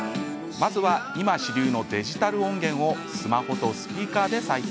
まずは今、主流のデジタル音源をスマホとスピーカーで再生。